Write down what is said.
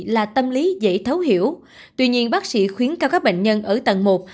là tâm lý dễ thấu hiểu tuy nhiên bác sĩ khuyến cáo các bệnh nhân ở tầng một